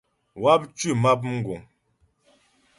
Wáp tʉ́ map mgùŋ.